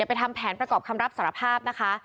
ไปทำแผนประกอบคำรับสารภาพนะคะ